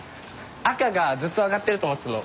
赤がずっと上がってると思ってたの。